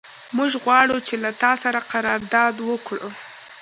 موږ غواړو چې له تا سره قرارداد وکړو.